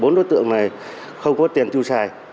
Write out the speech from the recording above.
bốn đối tượng này không có tiền chưu xài